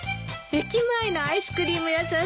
駅前のアイスクリーム屋さん